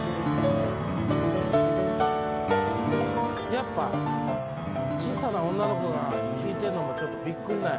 やっぱ小さな女の子が弾いてんのもちょっとびっくりなんや。